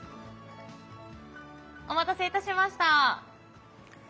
お待たせいたしました。